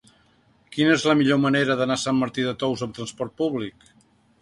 Quina és la millor manera d'anar a Sant Martí de Tous amb trasport públic?